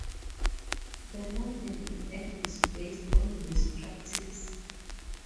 The modern event is based on this practice.